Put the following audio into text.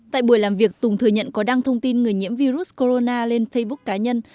tại buổi làm việc tùng thừa nhận có đăng thông tin người nhiễm virus corona lên facebook cá nhân